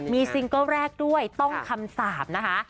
มีซิงเกิ้ลแรกด้วยต้องคำสาปนะคะ